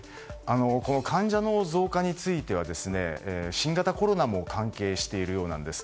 患者の増加については新型コロナも関係しているようなんです。